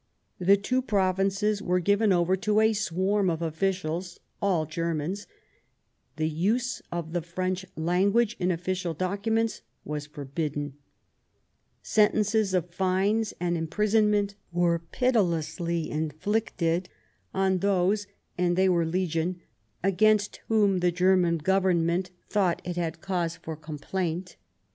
The two Provinces were given over to a swarm of officials, all Germans ; the use of the French language in official documents was forbidden ; sentences of fines and imprisonment were pitilessly inflicted on those — and they were legion — against whom the German Government thought it had cause for complaint.